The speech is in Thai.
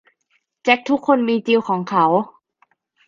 แจ็คทุกคนมีจิลของเขา